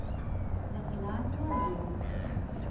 د قناعت وړ نه و.